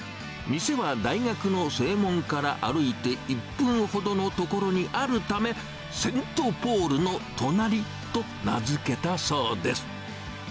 店は大学の正門から歩いて１分ほどの所にあるため、セントポールの隣りと名付けたそうです。